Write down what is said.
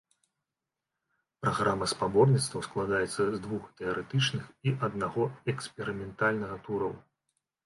Праграма спаборніцтваў складаецца з двух тэарэтычных і аднаго эксперыментальнага тураў.